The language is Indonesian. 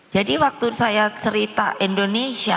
jadi waktu saya cerita indonesia